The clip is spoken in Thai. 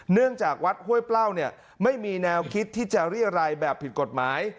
เนื่องจากวัดห้วยเปล้าเนี่ยไม่มีแนวคิดที่จะเรียรัยแบบผิดกฎหมาย